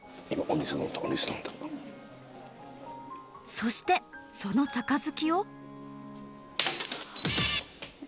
そしてその杯を。